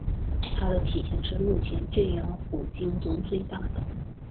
它的体型是目前圈养虎鲸中最大的。